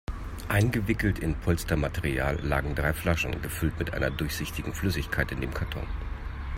Eingewickelt in Polstermaterial lagen drei Flaschen, gefüllt mit einer durchsichtigen Flüssigkeit, in dem Karton.